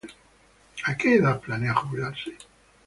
¿A qué edad planea jubilarse?